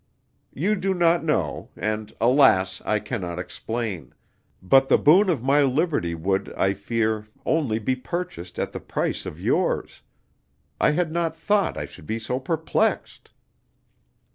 You do not know, and alas! I cannot explain; but the boon of my liberty would, I fear, only be purchased at the price of yours. I had not thought I should be so perplexed!"